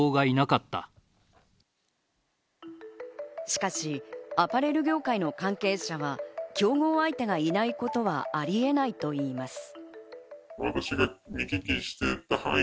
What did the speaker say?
しかし、アパレル業界の関係者は競合相手がいないことはあり得ないといいます。